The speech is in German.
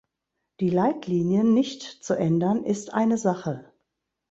Die Leitlinien nicht zu ändern ist eine Sache.